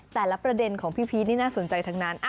แต่ละประเด็นของพี่พีชนี่น่าสนใจทั้งนั้น